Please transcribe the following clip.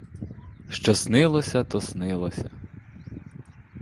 Що снилося, то снилося!